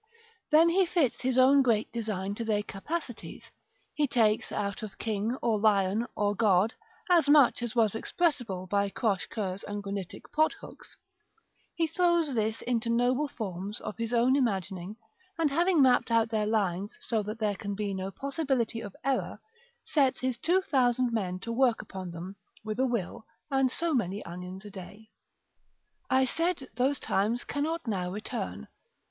Then he fits his own great design to their capacities; he takes out of king, or lion, or god, as much as was expressible by croche coeurs and granitic pothooks; he throws this into noble forms of his own imagining, and having mapped out their lines so that there can be no possibility of error, sets his two thousand men to work upon them, with a will, and so many onions a day. § XIII. I said those times cannot now return.